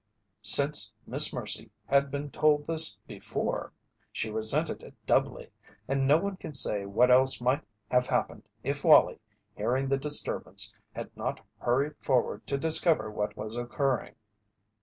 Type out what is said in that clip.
Since Miss Mercy had been told this before, she resented it doubly, and no one can say what else might have happened if Wallie, hearing the disturbance, had not hurried forward to discover what was occurring.